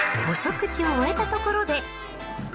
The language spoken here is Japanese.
お食事を終えたところで。